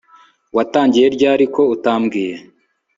watangiye ryari ko utambwiye